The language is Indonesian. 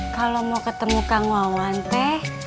kalau mau ketemu kang wawan teh